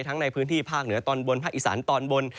ในพื้นที่ภาคเหนือตอนบนภาคอีสานตอนบน